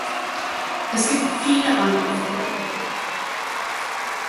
Es gibt viele andere Fragen.